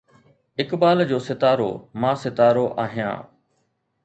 اقبال جو ستارو، مان ستارو آهيان